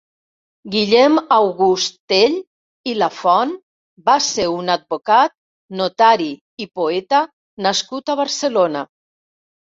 Guillem August Tell i Lafont va ser un advocat, notari i poeta nascut a Barcelona.